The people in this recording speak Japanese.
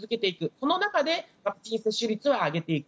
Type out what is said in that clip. その中でワクチン接種率を上げていく。